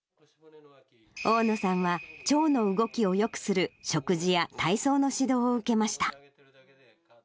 大野さんは腸の動きをよくする食事や体操の指導を受けました。